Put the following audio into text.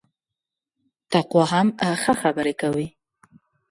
تقوا هم ښه خبري کوي